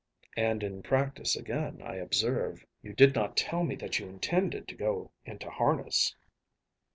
And in practice again, I observe. You did not tell me that you intended to go into harness.